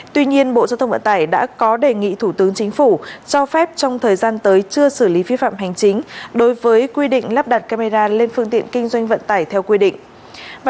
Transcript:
tuy nhiên bộ giao thông vận tải đã có đề nghị thủ tướng chính phủ cho phép trong thời gian tới chưa xử lý vi phạm hành chính đối với quy định lắp đặt camera lên phương tiện kinh doanh vận tải theo quy định